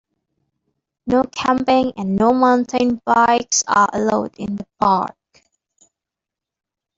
No camping, and no mountain bikes are allowed in the park.